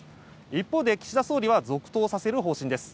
一方で岸田総理は続投させる方針です。